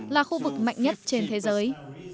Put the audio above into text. là khu vực mạnh nhất trên thế giới